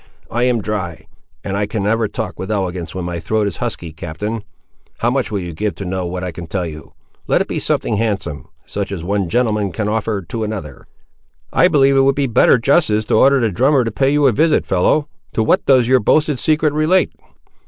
"I am a dry, and I can never talk with elegance when my throat is husky, captain. How much will you give to know what I can tell you; let it be something handsome; such as one gentleman can offer to another." "I believe it would be better justice to order the drummer to pay you a visit, fellow. To what does your boasted secret relate?"